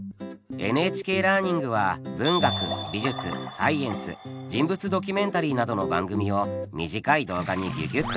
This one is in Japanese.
「ＮＨＫラーニング」は文学美術サイエンス人物ドキュメンタリーなどの番組を短い動画にぎゅぎゅっと凝縮。